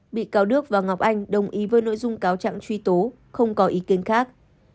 bị cáo đức và ngọc anh đồng ý với nội dung cáo trạng truy tố không có ý kiến khác